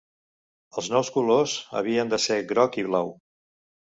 Els nous colors havien de ser groc i blau.